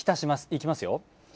いきますよ。